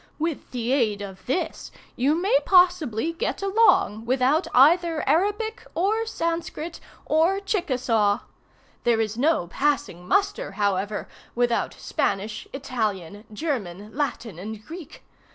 With the aid of this you may either get along without either Arabic, or Sanscrit, or Chickasaw. There is no passing muster, however, without Spanish, Italian, German, Latin, and Greek.